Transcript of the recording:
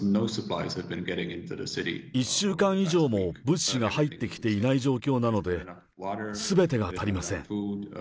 １週間以上も物資が入ってきていない状況なので、すべてが足りません。